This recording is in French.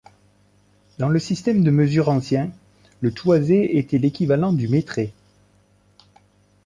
Dans le système de mesure ancien, le toisé était l'équivalent du métré.